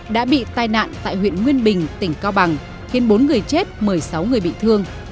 đã bị tai nạn tại huyện nguyên bình tỉnh cao bằng khiến bốn người chết một mươi sáu người bị thương